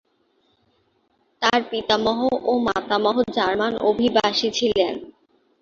তার পিতামহ ও মাতামহ জার্মান অভিবাসী ছিলেন।